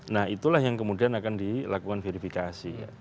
nah itulah yang kemudian akan dilakukan verifikasi